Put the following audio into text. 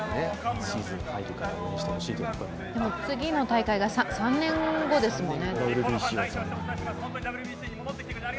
次の大会が３年後ですもんね。